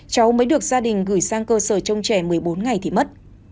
cháu mới được gia đình gửi sang cơ sở trông trẻ một mươi bốn ngày thì mất